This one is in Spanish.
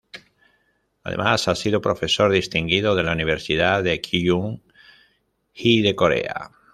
Además, ha sido Profesor Distinguido de la Universidad de Kyung Hee de Corea.